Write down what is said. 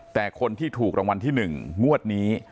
แต่คนที่ถูกรางวัลที่๑งวดนี้